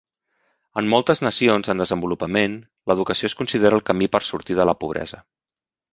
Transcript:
En moltes nacions en desenvolupament l'educació es considera el camí per sortir de la pobresa.